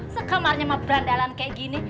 sekamarnya sama berandalan kayak gini